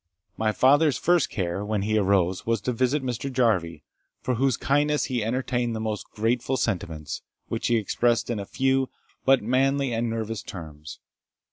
My father's first care, when he arose, was to visit Mr. Jarvie, for whose kindness he entertained the most grateful sentiments, which he expressed in very few, but manly and nervous terms.